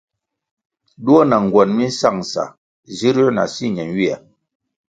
Duo na ngwen mi nsangʼsa zirū na si ñenywia.